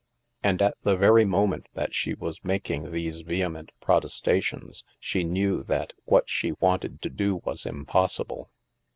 And at the very moment that she was making these vehement protestations, she knew that what she wanted to do was impossible.